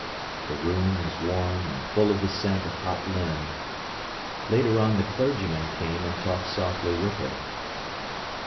The room was warm and full of the scent of hot linen. Later on the clergyman came and talked softly with her.